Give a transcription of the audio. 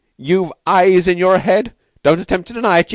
You've eyes in your head? Don't attempt to deny it.